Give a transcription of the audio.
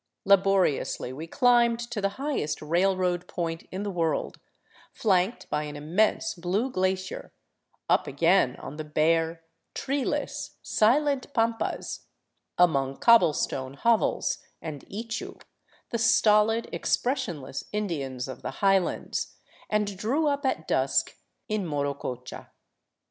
Laboriously we climbed to the highest railroad point in the world, flanked by an immense blue glacier, up again on the bare, treeless, silent pampas, among cobble stone hovels and ichu, the stolid, expressionless Indians of the highlands, and drew up at dusk in Morococha.